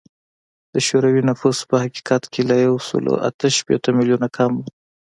د شوروي نفوس په حقیقت کې له یو سل اته شپیته میلیونه کم و